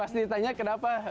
pas ditanya kenapa